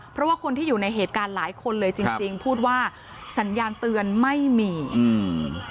เพราะว่าคนที่อยู่ในเหตุการณ์หลายคนเลยจริงจริงพูดว่าสัญญาณเตือนไม่มีอืม